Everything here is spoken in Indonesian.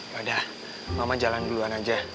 wadah mama jalan duluan aja